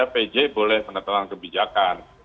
pj boleh pengetahuan kebijakan